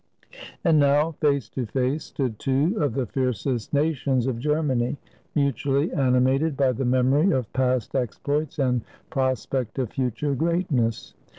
And now face to face stood two of the fiercest nations of Germany, mutually animated by the memory of past exploits and prospect of future greatness.